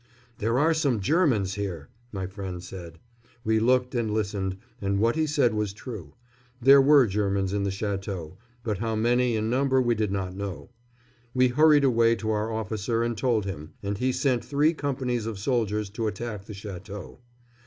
"There are some Germans here!" my friend said. We looked and listened, and what he said was true. There were Germans in the château, but how many in number we did not know. We hurried away to our officer and told him, and he sent three companies of soldiers to attack the château.